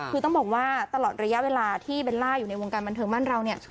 คือต้องบอกว่าตลอดระยะเวลาที่เบลล่าอยู่ในวงการบันเทิงบ้านเราเนี่ย